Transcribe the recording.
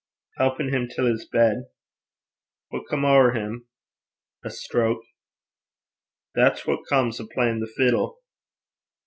'Helpin' him till 's bed.' 'What's come ower him?' 'A stroke.' 'That's what comes o' playin' the fiddle.'